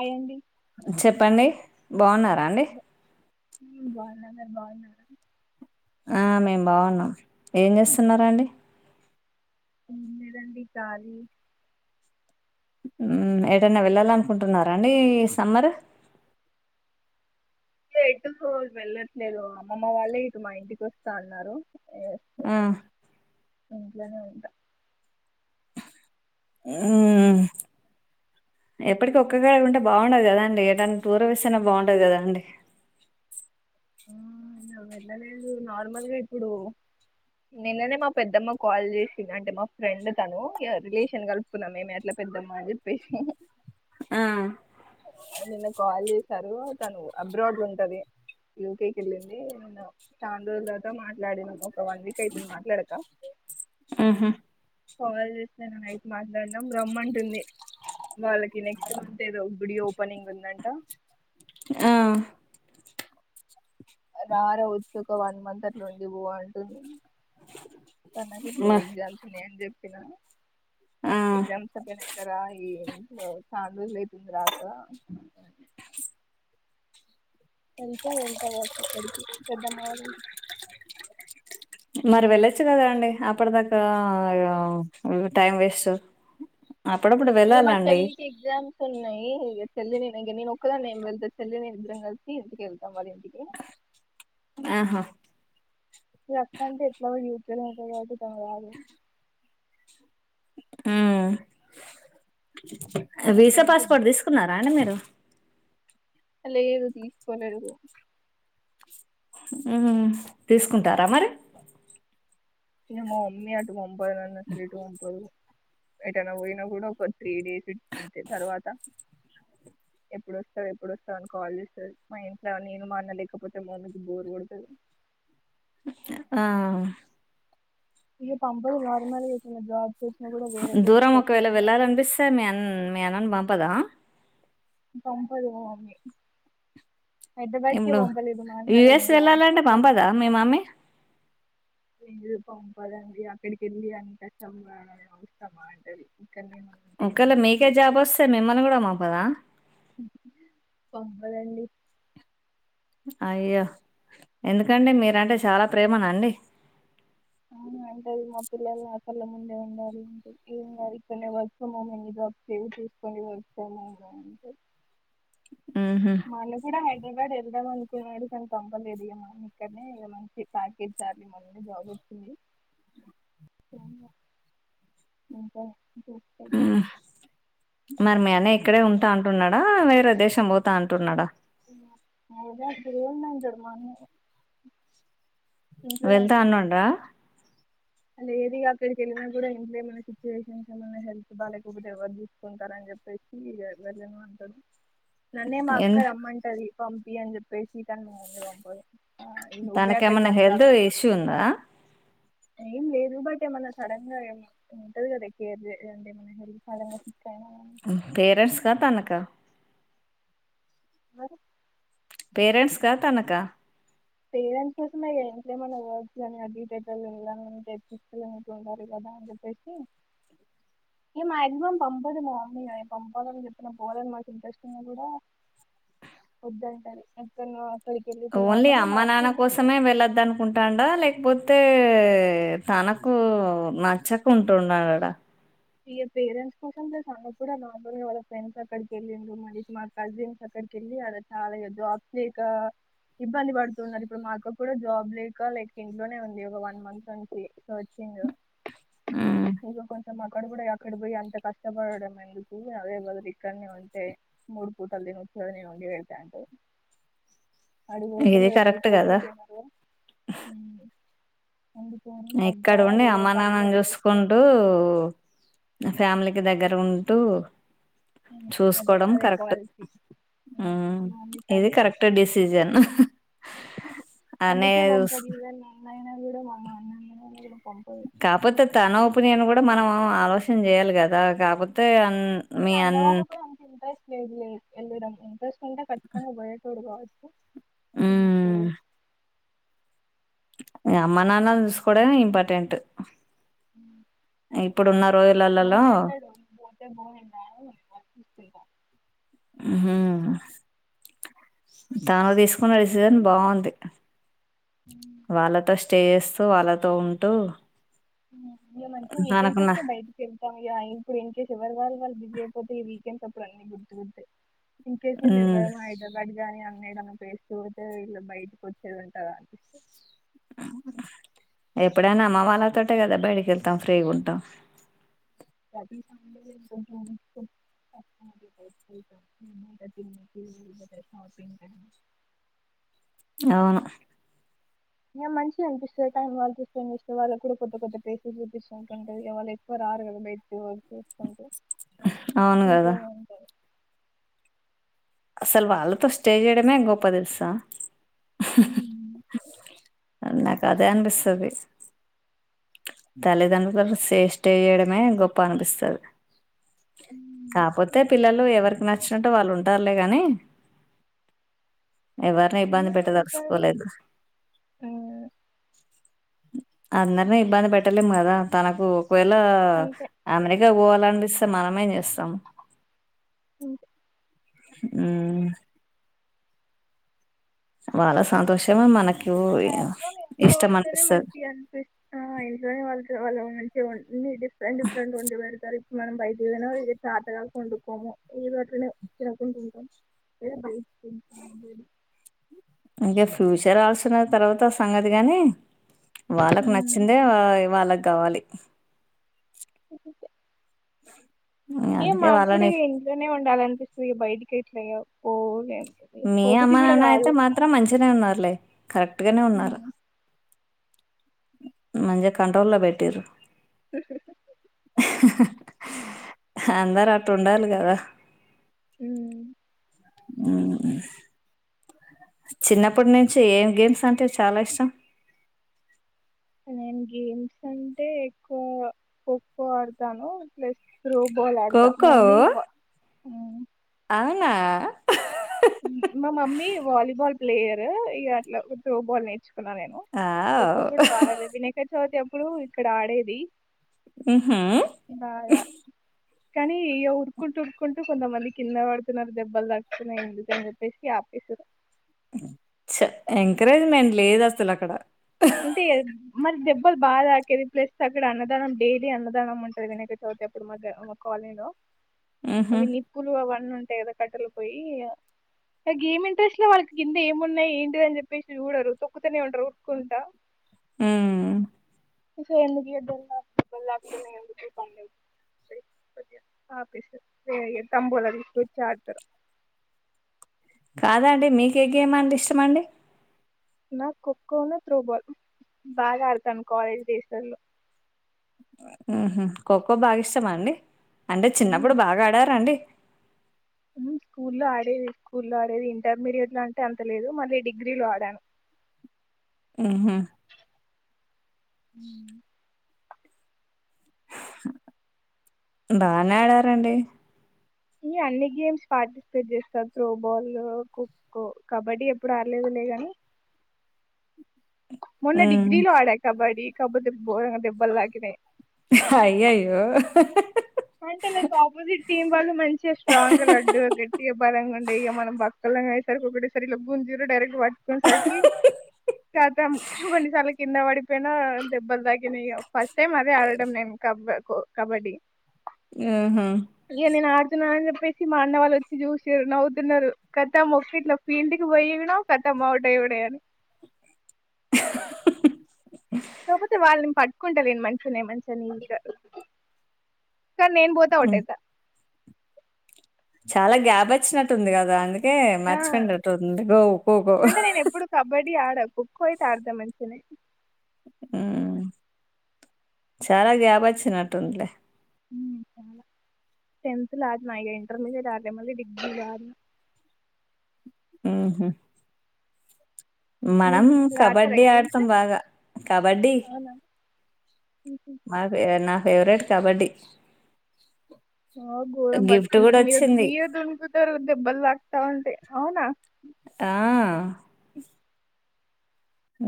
అయ్యండి చెప్పండి బాగున్నారా అండి ఉమ్ బాగున్నాండి బాగున్నారా ఆ మేం బాగున్నాం ఏం జేస్తున్నారా అండి ఏం లేదండి కాలీ ఉమ్ ఏటైనా వెళ్ళాల అనుకుంటున్నారా అండి సమ్మర్ ఎటుకు వెళ్ళట్లేదు అమ్మమ్మ వాళ్ళే ఇటు మా ఇంటికి వస్తా అన్నారు ఆ ఇంట్లనే ఉంట ఉమ్ ఎప్పటికి ఒక్క గాడ ఉంటే బాగుండదు గదా అండి ఎటన్నా టూర్ వేస్తేనే బాగుంటది గదా అండి అవునా వెళ్ళలేదు నార్మల్గా ఇప్పుడు నిన్ననే మా పెద్దమ్మ కాల్ జేసింది మా ఫ్రెండ్ తను రిలేషన్ గలుపుకున్నాం మేమే అట్లా పెద్దమ్మ జెప్పేసి ఆ తరువాత అను అబ్రాడ్ల ఉంటది యూకేకి వెళ్ళింది నేను చండ్రోజుల తరువాత మాట్లాడినాను ఒక వన్ వీక్ అయితుంది మాట్లాడక ఆహా కాల్ చేస్తే నిన్న నైట్ మాట్లాడినాం రమ్మంటుంది వాళ్ళకి నెక్స్ట్ మంత్ ఏదో గుడి ఓపెనింగ్ ఉందంటా ఆ రార ఒచ్చి ఒక వన్ మంత అట్లుండి పో అంటుంది నాకు మ ఇప్పుడు ఎగ్జామ్స్న్నా అని చెప్పినా ఆ ఎగ్జామ్స్ తర్వాత్ రా ఈ చనారోజులు అతుంది రాక వెళ్తే వెళ్తా కావచ్చు అప్పడికి పెద్దమ్మ వాల్ మరి వెళ్ళొచ్చు కదా అండి అప్పటి దాకా ఆ టైం వేస్ట్ అ ఇగ మా చెల్లికి ఎగ్జామ్స్ ఉన్నాయ్ చెళ్ళి నిను ఇంగ నేను ఒక్కదాన్ని ఎం వెళ్త చెళ్ళి నిను ఇద్దరం కలిసి ఇంటికేళ్తామ్ వాళ్ళింటికి ఆహా ఇగ అక్క ఎట్లాగు యూకే లో ఉంటది కాబట్టి తాను రాదు మ్మ్ ఇక వీసా చెల్లికి పాస్పోర్ట్ ఎగ్జామ్స్ తీసుకున్నారా అండి మీరు అ లేదు తీసుకోలేదు హు తీసుకుంటారా మరి ఇగ్ మా మమ్మీ అటు పంపాదు అసలు ఎటు పంపదు ఎటైనా పోయినా కూడా ఒక త్రీ డేస్ అంతే తర్వాత ఎప్పుడు వస్తావు ఎప్పుడు వస్తావు అని కాల్ చేస్తారు మా ఇంట్లో నేను మా అన్న లేకపోతే మ మమ్మీకి బోరు కొడుతది ఆ ఇగ పంపంది గవర్నమెంట్ ఇచ్చిన జాబ్స్ కూడా వేరే ప్లేసెస్ దూరం కి వచ్చినా ఒకవేళ కూడా వెళ్ళాలనిపిస్తే మీ అన్ మీ అన్నని పంపదా పంపదు మా మమ్మీ హైదరాబాద్ కే ఇప్పుడు పంపలేదు మా అన్న లైక్ యుఎస్ జాబ్ వెళ్ళాలంటే పర్పస్ పంపదా మీ మమ్మీ ఇంగ్ పంపదండి అక్కడికి వెళ్ళి అని కష్టం పటడం ఎందుకమ్మ అంటది ఇక్కడనే మనం ఉట్టిగనే ఒకేళ మీకే జాబ్ చేసుకో వస్తే మిమ్మల్ని కూడా పంపద పంపదండి అయ్యో ఎందుకండి మా మీరంటే చాలా ప్రేమన అండి అంటే అది మా పిల్లలు ఆ కళ్ళ ముందే ఉండాలి ఇంకాదు ఎక్కన్నే వర్క్ ఫ్రొమ్ హోమ్ ఉంది జాబ్ ఇక్కన్నే ఇక్కన్నే ఉండు ఆంట్ ఉహు మన్ని కూడా హైదరాబాద్ ఎల్డామన్ కున్నాడు కానీ పంపలేదు ఇగ మా ఇక్కడనే ఇగ మంచి ప్యాకేజ్ మంచి జాబ్ వచ్చింది ఉమ్ [unintelligible] మరి మీ అన్నయ్య ఇక్కడే ఉంటా అంటున్నాడా వేరే దేశం పోతా అంటున్నాడా సేమ్ అంటాడు మా అన్నయ్య వెళ్తా అన్నాండ్రా లేదు ఇగ అక్కడికి వెళ్ళినా కూడా ఇంట్లో ఏమన్నా సిచ్యువేషన్స్ ఏమన్న హెల్త్ బాలేకపోతే ఎవరు చూసుకుంటారని చెప్పేసి వెళ్ళను అంటాడు నన్నే మా ఎందు అక్క రమ్మంటది పంపి అని చెప్పేస్ తాంది మా మమ్మీ పంపదు నువ్వే తనకేమన్నా అక్కడికంత హెల్త్ ఇష్యూ ఉందా ఏం లేదు బట్ ఏమనా సడన్ గా ఉంటది కదా కేర్ అంటే ఏమన్నా హెల్ప్ పేరెంట్స్ క తనక మర్ పేరెంట్స్కా తనకా పేరెంట్స్ కోసమే ఇగ ఇంట్లో ఏమన్నా వర్క్స్ గానీ ఏవి [unintelligible] ఉండాలి గా బాయ్ చెప్పేసి [inaudible] ఇగ మాక్సిమం పంపదు మా మమ్మీ పంపదని చెప్పిన పోలేని మాకు ఇంట్రెస్ట్ంగ్ కూడా వద్దంటది ఎక్కడనో అక్కడికి కెళ్ళి ఇక ఓన్లీ నార్మల్ గా అమ్మ మా అక్క నాన్న వెళ్ళింది కోసమే వెళ్లొద్ద అనుకుంటాడా లేకపోతే తే తనకు నచ్చకుంటున్నాడడ ఈ పేరెంట్స్ కోసం ప్లేస్ అన్న కూడా నార్మల్గా వాళ్ళ ఫ్రెండ్స్ అక్కడికి వెళ్ళిం మరి మా కజిన్స్ అక్కడ ళ్లి అద చాల జాబ్ లేక ఇబ్బంది పడుతున్నారు ఇప్పుడు మాకుప్పు జాబ్ లేక లైక్ ఇంట్లోనే ఉంది ఒక వన్ మంత్ నుంచి సర్చింగ్ ఉ ఇక కొంచెం అక్కడ కూడా అక్కడ పోయి అంత కష్టపడడం ఎందుకు అదే బదులు ఇక్కడనే ఉంటే మూడు పూటలు తినచ్చ కదా నేను వండి పెడతాంటే [inaudible] అడుపోతే ఇది మీడి కరెక్ట్ వొండుకోరు కదా తినరు వండుకోరు ఇక్కడ సరిగ్గా ఉండి ఏదో అమ్మానాన్న ను పచ్చడి చేసుకో చూసుకుంటూ నా ఫ్యామిలీకి దగ్గర ఉంటూ అదే అదే పాలసీ ఉ మా మమ్మీకి ఇది కరెక్ట్ అదే డిసిజన్ అనే అందుకే చూస్- బంపోదు నైనా కూడా బొమ్మ అన్నయ విడం మామ కాపోతే తన పనియన్ కూడా మనం ఆలోచన చేయాలి కదా కాపోతే ఇ అన్న వాళ్ళకి కూడా అంత ఇంట్రెస్ట్ లేదు లేదు వెళ్ళడం ఇంట్రెస్ట్ ఉంటే ఖచ్చితంగా పోయేటోడు కావచ్చ చిన్న ఉమ్, స్టేట్ అమ్మ నాన్న చూసుకోవడమె ఇంపార్టెంట్ [inaudible] ఇప్పుడు ఉన్నార్ ఏ అంట దు బోతే బొ నేను నాయనను జసుకుంటా తాను తీసుకున్న డిసిజన్ బాగుంది వాళ్ళతో స్టే చేస్తూ వాళ్ళతో ఉంటూ ఇక మంచిగా వీకెండ్స్ తనకున్న చస్తేబయటకి వెళ్తాం ఇక ఇప్పుడు ఇన్ కేస్ ఎవరి వాళ్ళుళ్ళు బిజీ అయిపోతా నాకు అప్పుడు అవన్నీ గుర్తు గుర్తే ఇన్ కేస్ ఉమ్ ఇంకేవ్వర హైదరాబాడ్ గాని న్నదన్నా వేస్త పోతే ఇలా బయటకి వచ్చేది ఉంటంది అనిపిస్త [inaudible] ఎప్పుడైనా అమ్మ వాళ్ళతోటే కదా బయటికి వెళ్తాం ఫ్రీగా ఉంటాం థట్ ఇస్ ఒన్ తే లానే కొంచెం చూసుకో శాపి [inaudible] అవును ఇక మంచిగా అనిపిస్తుంది వాళ్ళ చూస్తనిపిస్త వాళ్ళు కూడా కొత్త కొత్త ప్లేసెస్ చూపిస్తుంటా వాళు ఎక్కువ రారుగా బైటికి వాళ్ళు చూసుకుంటా అవును ఇంట్లో కదా నే ఉంటారు అసలు వాళ్ళతో స్టే చేయడమే గొప్ప తెలుసా ఉమ్. అ కదే అనుపిస్తది తల్లిదండ్రుల సేస్ట చేయడమే గొప్ప అనిపిస్తది ఉమ్. కాపోతే పిల్లలు ఎవరికి నచ్చినట్టు వాళ్ళు ఉంట సర్లే కానీ ఎవరిని ఇబ్బంధ నేను పెట్టద ఇంకా స్కూలేదు ఆ, అందరినీ ఇబ్బంది పెట్టలేం కదా తనకు ఒకవేళ అంతే ఆమెరి పాలానిపిస్తే మనమే చేస్తాం అంతే ఉ వాళ్ళ సంతోషమె మనకు ఇ ఇష్టం వాళ్ళతోనే అనిపిస్తది మంచిగా అనిపిస్త ఇంట్లోనే వాళ్ళతో వాళ్ళ మంచిగా ఉంది డిఫరెంట్ డిఫరెంట్ ఉండి పెడతారు మనం బయటకు వెళ్ళిన ఇది చేతకాక వండుకోము ఎదో అట్లేనే తినకుండ ఉంటాం ఏ బైస్కిల్ కనబడ్డాడు ఇగ ఫ్యూచర్ ఆల్సిన తర్వాత సంగతి గానీ వాళ్ళక్ నచ్చిందే వాయ్ వాళ్ళక్ గావాలి అంతే ఏ అందుకే మాక్ కూడా వాళ్ళని ఇంట్లోనే ఉండాలి అనిపిస్తది బయటికెట్ చేయవ్ పోలే మీ అమ్మ నాన్న అయితే మాత్రం మంచిగనే ఉన్నారులే కరెక్ట్ గనే ఉన్నారు మంచిగ కంట్రోల్లో బెట్టిర్రు అందరూ అట్టుండాలి కదా హ్మ్ హ్మ్ చిన్నప్పట్ నుంచి ఏం గేమ్స్ అంటే చాలా ఇష్టం నేను గేమ్స్ అంటే ఎక్కువ ఖోఖో ఆడతాను ప్లస్ త్రో బాల్ ఆడతా మా ఖోఖో మమ్మీ ఆ.. మా మమ్మీ వాలీబాల్ ప్లేయర్ ఇగ అట్లా త్రోబాల్ నే ర్చుకున్నా నేను ఖో ఖో ఆవ్! కూడా బాగానే వినయకచవితి అప్పుడు ఇక్కడ ఆడేది హుహు. బాగా కానీ ఇ ఉరుకుంటు ఉరుకుంటు కొంతమంది కింద వడుతున్నారు దెబ్బల్తగుతున్నాయండి పెన్ను పెస్కి ఆపేసాను ఛ ఎంకరేజ్మెంట్ లేదు అస్సలు అక్కడ అంటే మరి దెబ్బల్ బా తకిరి ప్లస్ అక్కడ అన్నదానం డైలీ అన్నదానం ఉంటంది వినయక చవితి అప్పుడు మధ్యహ్నం మొక్కుకోవ్ అలిలో హుహు. నిప్పులు అవన్నీ ఉంటాయ్ కదా కట్టెల పోయ్యి ఆ గేమ్ ఇంట్రెస్ట్ లో వాళ్ళకి కింద ఏమున్నాయి ఏంటి ఇది అని జెప్పెసి చూడరు తొక్కుతునే ఉంటర్రు ఉరుకున్. ట హ్మ్ ఒసేయ్ ఎందుకు యుద్దల్ కావ మరి లేపొతేని నేను ఎందుకు పని లేదు ఆపేసా వే తంబులా తీస్కొచ్చి ఆడతరు కాదండి మీకు ఏ గేమ్ అంటే ఇష్టమండి నాక్ ఖోఖో ని త్రోబాల్ బాగా ఆడతాను కాలేజ్ డేస్ లల్లో ఆహా ఖోఖో బాగా ఇష్టమా అండి అంటే ఉమ్ చిన్నప్పుడు బాగా ఆడరా అండి ఉమ్ స్కూల్లో ఆడేది స్కూల్లో ఆడేది ఇంటర్మీడియట్ లో అంటే అంత లేదు మళ్ళీ డిగ్రీ లో ఆడాను హ్మ్ హు మ్మ్ బానే ఆడారండి ఈ అన్ని గేమ్స్ పార్టిసిపేట్ జేస్తారు త్రోబాల్ ఖోఖో కబడ్డీ ఎప్పుడు ఆడలేదు లే గాని మొన్న హ్మ్. డిగ్రీ లో ఆడా కబడ్డీ కపోతే బోల్అన్ని దెబ్బల్ తాకినాయ్ అయ్యయ్యో అంటే లైక్ ఆపోజిట్ టీమ్ వాళ్ళు మంచిగా స్ట్రాంగ్ గా లడ్డు గట్టిగా బలంగ ఉండే ఇగ మనం బక్కల అ సరికి ఒకటే సారి గుజ్జిర్రు డైరక్ట్ పట్ కొన్ సరికి కతం కొన్ని సార్లు కింద పడి ప్పేనా దెబ్బల్ తాకినియో ఫస్ట్ టైమ్ అదే ఆడడం నేను కబ ఖో కబడ్డి యహా తున్న చెప్పేసి మా అన్న వాళ్ళు వచ్చి జూసిరు నవ్వుతున్నారు కతం ఒక్కట్ నా ఫీల్డ్కి పోయి గూడ కతం ఉమా అవుట్ ఉడే గాని [unintelligible] కాకపోతే వాళ్ళని పట్టుకుంటారు మనుషునే మంచి నిటగా ఈసార్ నేను పోతా అవుట్ హ్మ్. అయితా చాలా గ్యాప్ వచ్చినట్టుంది గదా అని హే ఆ మర్చిపోండట్టుతుంది గో కోకో కోకో అయితే అడ్తా మంచిగనే మ్ చాలా గ్యాప్ వచ్చినట్టుంది లే [inaudible] టెన్త్ అడినా ఇగా ఇంటర్మీడియట్ ఆడలే మళ్ళీ డిగ్రీ అడినా ఉహు మీ మనం మీరు ఆడతారా కబడ్డీ గేమ్స్ ఆడతాం బాగా కబడ్డీ అవునా మా ఫ నా ఫేవరెట్ కబడ్డీ ఆ గోరం గిఫ్ట్ గూడా పట్టుకుంటారు వచ్చింది. మీద దునుకుతారు దెబ్బలు తాకుతావుంటాయ్ అవునా ఆఆ